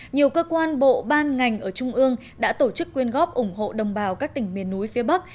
nhiều cơ quan bộ ban ngành ở trung ương đã tổ chức quyên góp ủng hộ đồng bào các tỉnh miền núi phía bắc